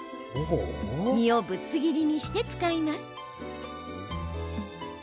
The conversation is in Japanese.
身をぶつ切りにして使います。